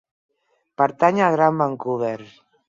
Pertany al Gran Vancouver.